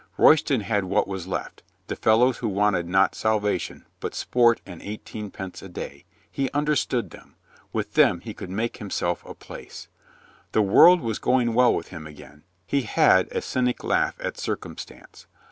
Roy ston had what was left, the fellows who wanted not salvation but sport and eighteen pence a day. He understood them. With them he could make him self a place. The world w,as going well with him again. He had a cynic laugh at circumstance.